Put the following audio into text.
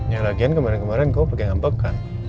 ya lagian kemarin kemarin kamu pake ngambek kan